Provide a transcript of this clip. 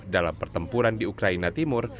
dalam pertempuran di ukraina timur